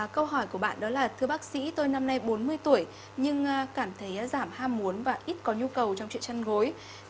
câu hỏi của bạn đó là thưa bác sĩ tôi năm nay bốn mươi tuổi nhưng cảm thấy giảm ham muốn và ít có nhu cầu trong chuyện chăn gối